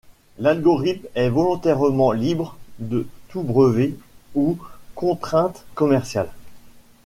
L'algorithme est volontairement libre de tout brevet ou contrainte commerciale.